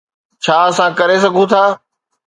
ڇا اسان ڪري سگهون ٿا؟